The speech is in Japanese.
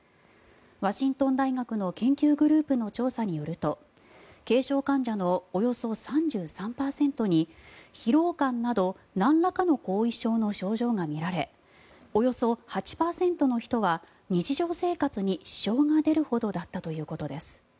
ワシントン大学の研究グループの調査によると軽症患者のおよそ３３％に疲労感などなんらかの後遺症の症状が見られおよそ８％の人は日常生活に支障が出るほどだったということです。